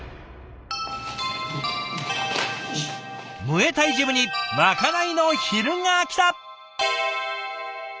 ムエタイジムにまかないの昼がきた。